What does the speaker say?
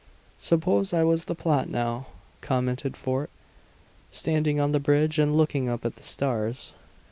"Suppose I was the pilot now," commented Fort, standing on the bridge and looking up at the stars.